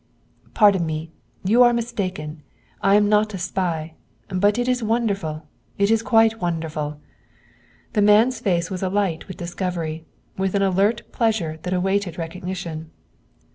"Pardon me! You are mistaken; I am not a spy. But it is wonderful; it is quite wonderful " The man's face was alight with discovery, with an alert pleasure that awaited recognition.